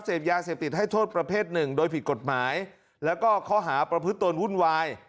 เสพยาเสพติดให้โทษประเภทหนึ่งโดยผิดกฎหมายแล้วก็ข้อหาประพฤติตนวุ่นวาย